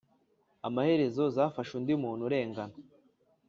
Amaherezo zafashe undi muntu urengana